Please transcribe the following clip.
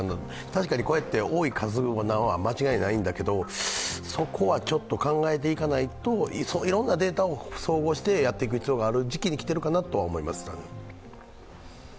確かにこうやって多い数なのは間違いないんだけどそこはちょっと考えていかないといろんなデータを総合してやっていく必要がある時期に来ているかなとは思います。